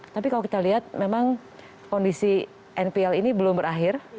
tapi kalau kita lihat memang kondisi npl ini belum berakhir